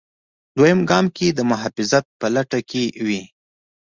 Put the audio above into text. دویم ګام کې د محافظت په لټه کې وي.